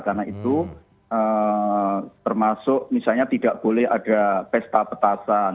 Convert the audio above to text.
karena itu termasuk misalnya tidak boleh ada pesta petasan